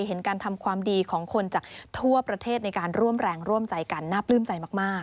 เห็นการทำความดีของคนจากทั่วประเทศในการร่วมแรงร่วมใจกันน่าปลื้มใจมาก